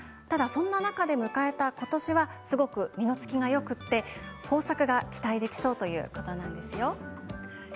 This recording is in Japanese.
そんな中で迎えた今年はすごく実の付きがよくて豊作が期待できそうということなんです。